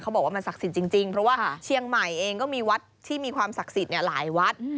บอกว่ามันศักดิ์สิทธิ์จริงเพราะว่าเชียงใหม่เองก็มีวัดที่มีความศักดิ์สิทธิ์หลายวัด